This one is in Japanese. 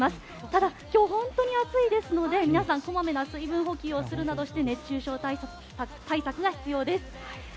ただ、今日本当に暑いですので皆さん、こまめな水分補給など熱中症対策が必要です。